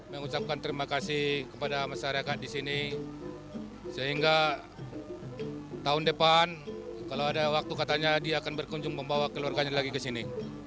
mengucapkan terima kasih kepada masyarakat di sini sehingga tahun depan kalau ada waktu katanya dia akan berkunjung membawa keluarganya lagi ke sini